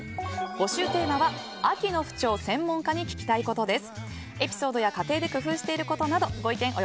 募集テーマは、秋の不調専門家に聞きたいことです。